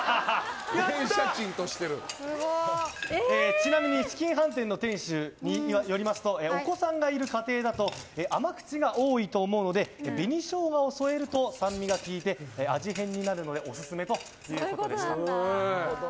ちなみに紫金飯店の店主によりますとお子さんがいる家庭だと甘口が多いと思うので紅ショウガを添えると酸味が効いて味変になるのでオススメということでした。